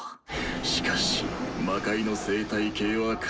しかし魔界の生態系は苛烈。